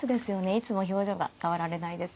いつも表情が変わられないです。